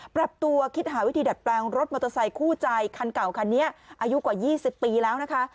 ปรับตัวคิดหาวิธีดัดแปลงรถมอเตอร์ไซคู่ใจคันเก่าคันนี้อายุกว่า๒๐ปีแล้วนะคะ